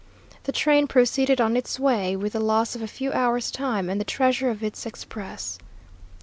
The train proceeded on its way, with the loss of a few hours' time and the treasure of its express.